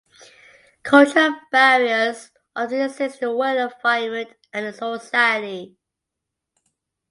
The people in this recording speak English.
Cultural barriers often exist in the work environment and in the society.